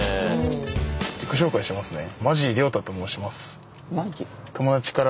自己紹介しますね。